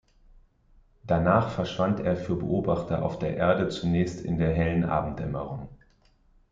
Danach verschwand er für Beobachter auf der Erde zunächst in der hellen Abenddämmerung.